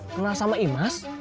kenal sama imaz